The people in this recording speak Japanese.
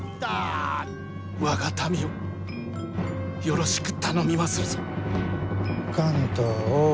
我が民をよろしく頼みまするぞ。